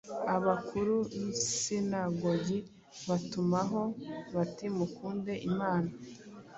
abakuru b’isinagogi babatumaho bati mukunde imana